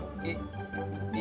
aku pergi dulu ya